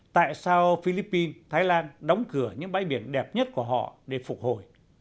tại sao philippines thái lan đóng cửa những bãi biển đẹp nhất của họ để phục hồi